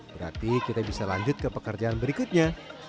berarti kita bisa lanjut ke pekerjaan berikutnya